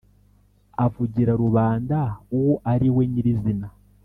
avugira rubanda uwo niwe nyirizina